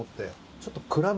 ちょっと。